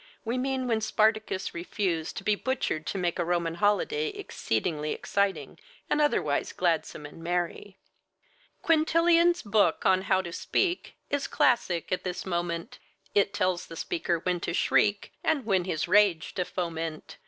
We mean when Spartacus refused To be butchered to make a Roman holiday exceedingly exciting and otherwise gladsome and merry.) Quintilian's book on How to Speak Is classic at this moment; It tells the speaker when to shriek And when his rage to foment.